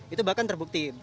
itu bahkan terbukti